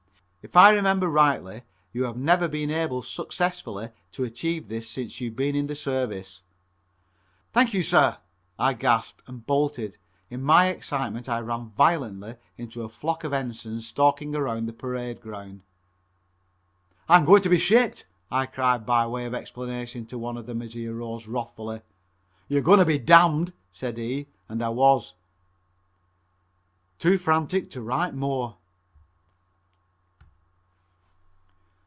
If I remember rightly, you have never been able successfully to achieve this since you've been in the service." "Thank you, sir," I gasped, and bolted. In my excitement I ran violently into a flock of ensigns stalking across the parade ground. "I'm going to be shipped," I cried by way of explanation to one of them as he arose wrathfully. "You're going to be damned," said he, and I was. Too frantic to write more.